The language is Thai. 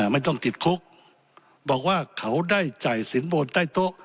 ไม่ต้องติดคุกบอกว่าเขาได้จ่ายสินบนใต้โต๊ะ